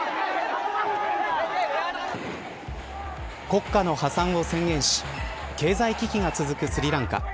国家の破産を宣言し経済危機が続くスリランカ。